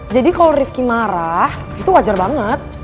jadi kalo rifki marah itu wajar banget